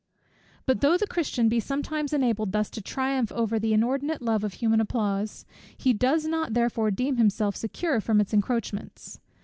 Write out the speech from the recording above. But though the Christian be sometimes enabled thus to triumph over the inordinate love of human applause, he does not therefore deem himself secure from its encroachments.